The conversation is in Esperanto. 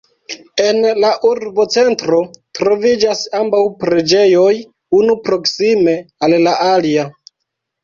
En la urbocentro troviĝas ambaŭ preĝejoj, unu proksime al la alia.